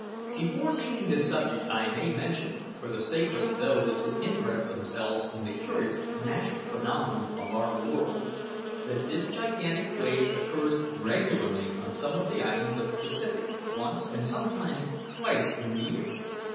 Before leaving the subject I may mention, for the sake of those who interest themselves in the curious natural phenomena of our world, that this gigantic wave occurs regularly on some of the islands of the Pacific once, and sometimes twice, in the year.